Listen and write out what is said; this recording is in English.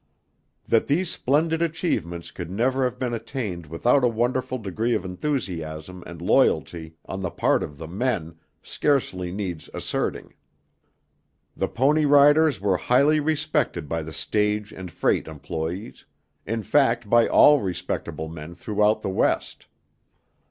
That these splendid achievements could never have been attained without a wonderful degree of enthusiasm and loyalty on the part of the men, scarcely needs asserting. The pony riders were highly respected by the stage and freight employees in fact by all respectable men throughout the West.